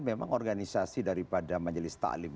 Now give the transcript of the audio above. memang organisasi daripada majelis ⁇ talim